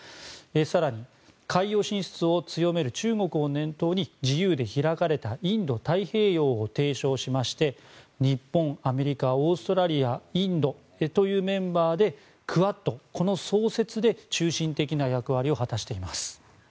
更に、海洋進出を強める中国を念頭に自由で開かれたインド太平洋を提唱しまして日本、アメリカ、オーストラリアインドというメンバーでクアッドこの創設で中心的な役割を果たしています。